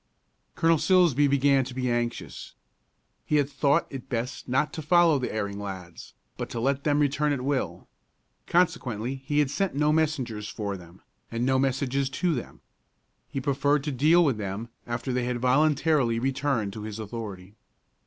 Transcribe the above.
Colonel Silsbee began to be anxious. He had thought it best not to follow the erring lads, but to let them return at will. Consequently he had sent no messengers for them, and no messages to them. He preferred to deal with them after they had voluntarily returned to his authority.